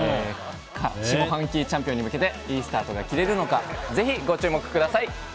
下半期チャンピオンに向けていいスタートが切れるのかぜひご注目ください。